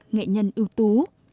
nghệ nhân ưu tú